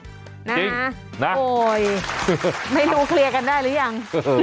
จริงนะโอ๊ยไม่รู้เคลียร์กันแล้วยัง